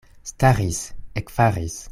Staris, ekfaris.